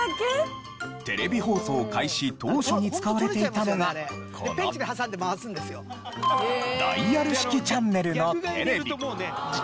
テレビ放送開始当初に使われていたのがこのダイヤル式チャンネルのテレビ。